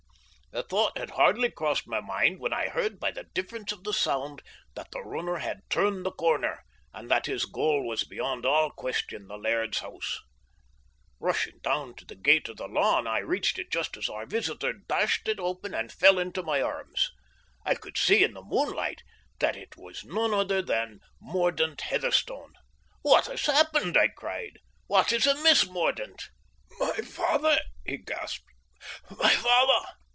The thought had hardly crossed my mind when I heard by the difference of the sound that the runner had turned the corner, and that his goal was beyond all question the laird's house. Rushing down to the gate of the lawn, I reached it just as our visitor dashed it open and fell into my arms. I could see in the moonlight that it was none other than Mordaunt Heatherstone. "What has happened?" I cried. "What is amiss, Mordaunt?" "My father!" he gasped "my father!"